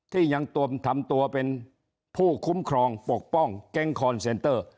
ที่ยังทำตัวเป็นผู้คุ้มครองปกป้องแก๊งคอนเซนเตอร์